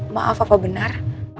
maaf apa benar